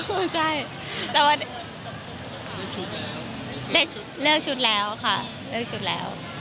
เลือกชุดแล้วค่ะ